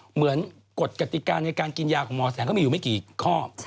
กฎกติกาในการกินยาของหมอแสงก็มีอยู่ไม่กี่ข้อ